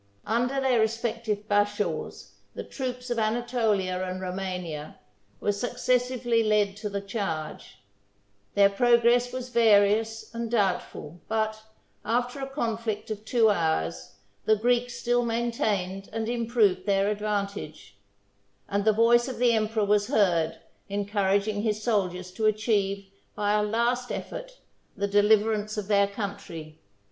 Under their respective bashaws, the troops of Anatolia and Romania were successively led to the charge ; their progress was various and doubtful; but, after a conflict of two hours, the Greeks still maintained and improved their advantage; and the voice of the emperor was heard, encouraging his soldiers to achieve, by a last effort, the deliverance of their country.